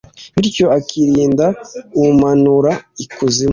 bityo akirinda umumanura ikuzimu